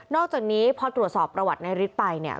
อกจากนี้พอตรวจสอบประวัตินายฤทธิ์ไปเนี่ย